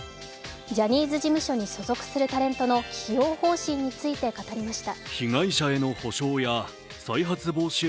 ジャニーズ事務所に所属するタレントの起用方針について語りました。